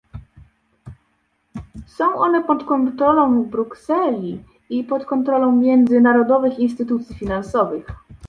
Są one pod kontrolą Brukseli i pod kontrolą międzynarodowych instytucji finansowych